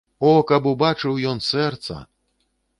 О, каб убачыў ён сэрца!